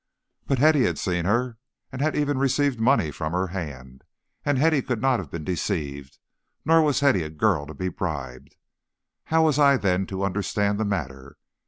But Hetty had seen her, and had even received money from her hand; and Hetty could not have been deceived, nor was Hetty a girl to be bribed. How was I, then, to understand the matter?